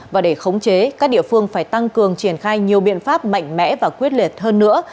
và để khống chế các địa phương phải tăng cường triển khai nhiều biện pháp mạnh mẽ và quyết liệt hơn nữa